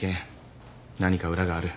何か裏がある。